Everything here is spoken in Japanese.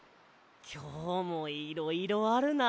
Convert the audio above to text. きょうもいろいろあるな。